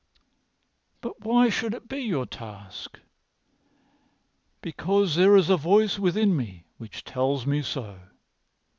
"But why should this be your task?" "Because there is a voice within me which tells me so.